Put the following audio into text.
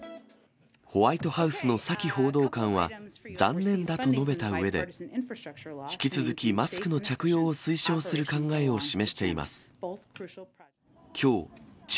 ホワイトハウスのサキ報道官は、残念だと述べたうえで、引き続きマスクの着用を推奨する考えを示しています。